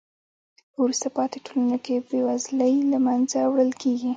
په وروسته پاتې ټولنو کې بې وزلۍ له منځه وړل کیږي.